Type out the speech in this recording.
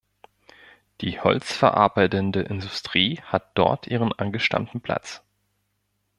Die holzverarbeitende Industrie hat dort ihren angestammten Platz.